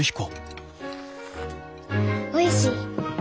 おいしい。